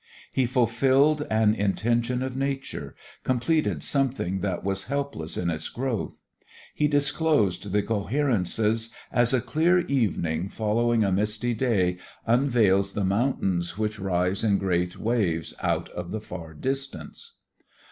He fulfilled an intention of nature, completed something that was helpless in its growth. He disclosed the coherences as a clear evening following a misty day unveils the mountains which rise in great waves out of the far distance.